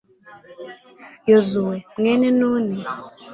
yozuwe, mwene nuni